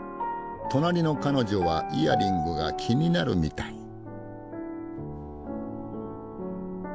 隣の彼女はイヤリングが気になるみたい。